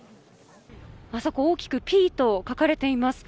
あそこ大きく「Ｐ」と書かれています。